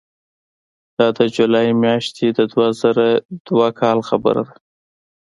دا د جولای میاشتې د دوه زره دوه کاله خبره ده.